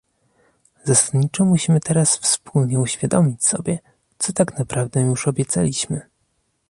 Zasadniczo musimy teraz wspólnie uświadomić sobie, co tak naprawdę już obiecaliśmy